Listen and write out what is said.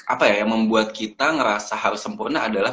apa ya yang membuat kita ngerasa harus sempurna adalah